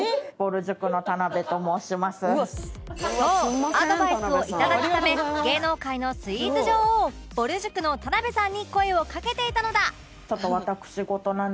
そうアドバイスをいただくため芸能界のスイーツ女王ぼる塾の田辺さんに声をかけていたのだ